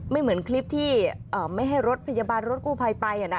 เหมือนคลิปที่ไม่ให้รถพยาบาลรถกู้ภัยไปนะ